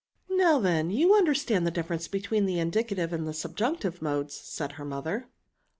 Now, then, you understand the difference between the indicative and the subjunctive modes ?" said her mother.